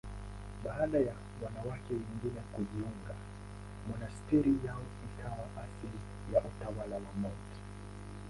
Baada ya wanawake wengine kujiunga, monasteri yao ikawa asili ya Utawa wa Mt.